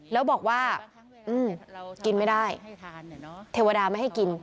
แล้วบอกว่ากินไม่ได้เทวดาไม่ให้กิน